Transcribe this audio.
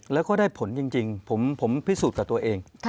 แล้วก็ได้ผลจริงผมพิสูจน์กับตัวเอง